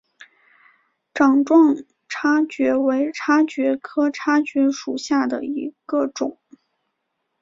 掌状叉蕨为叉蕨科叉蕨属下的一个种。